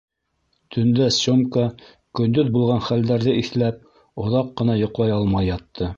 Төндә Сёмка, көндөҙ булған хәлдәрҙе иҫләп, оҙаҡ ҡына йоҡлай алмай ятты.